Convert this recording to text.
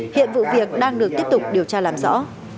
hiện vụ việc đang được tiếp tục điều tra làm rõ